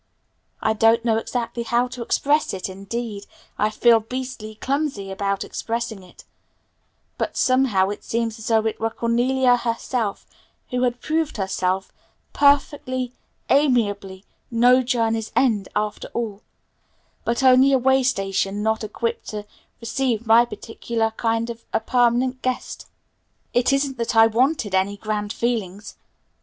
I don't know exactly how to express it, indeed I feel beastly clumsy about expressing it, but somehow it seems as though it were Cornelia herself who had proved herself, perfectly amiably, no 'journey's end' after all, but only a way station not equipped to receive my particular kind of a permanent guest. It isn't that I wanted any grand fixings.